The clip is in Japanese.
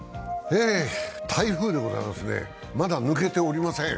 台風でございますね、まだ抜けておりません。